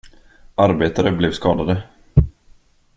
Arbetare blev skadade.